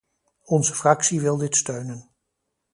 Onze fractie wil dit steunen.